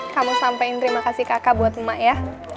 kamu sampein terima kasih kakak buat emak ya